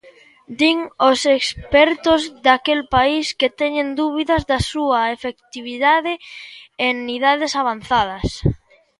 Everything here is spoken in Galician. Din os expertos daquel país que teñen dúbidas da súa efectividade en idades avanzadas.